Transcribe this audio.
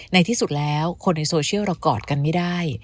ในที่สุดแล้วคนในโซเชียลเรากอดกันไม่ได้